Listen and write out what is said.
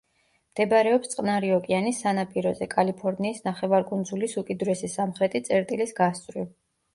მდებარეობს წყნარი ოკეანის სანაპიროზე, კალიფორნიის ნახევარკუნძულის უკიდურესი სამხრეთი წერტილის გასწვრივ.